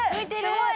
すごい！